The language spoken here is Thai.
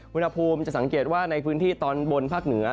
อุณหภูมิจะสังเกตว่าในพื้นที่ตอนบนภาคเหนือ